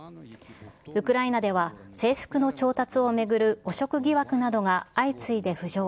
ウクライナでは制服の調達を巡る汚職疑惑などが相次いで浮上。